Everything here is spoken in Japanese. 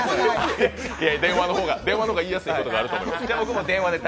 電話の方が言いやすいことがあると思う。